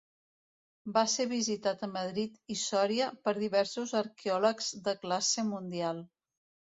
Va ser visitat a Madrid i Sòria per diversos arqueòlegs de classe mundial.